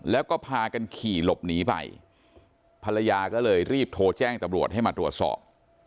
แล้วก็พากันขี่หลบหนีไปภรรยาก็เลยรีบโทรแจ้งตำรวจให้มาตรวจสอบ